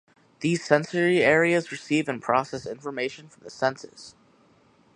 These sensory areas receive and process information from the senses.